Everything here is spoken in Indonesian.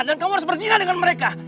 dan kamu harus berjina dengan mereka